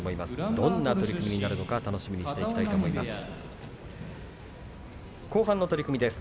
どんな取組になるのか楽しみにしていきたいと思います。